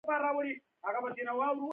احمد نن کلیوال سکنجه کړل.